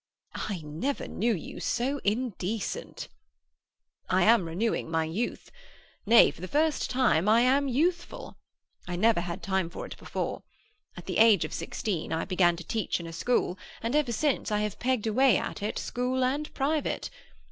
"I never knew you so indecent." "I am renewing my youth. Nay, for the first time I am youthful. I never had time for it before. At the age of sixteen I began to teach in a school, and ever since I have pegged away at it, school and private.